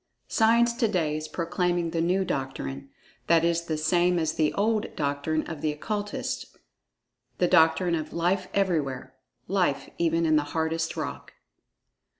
Science to day is proclaiming the new doctrine—that is the same as the "old" doctrine of the Occultists—the doctrine of "Life Everywhere"—Life even in the hardest rock!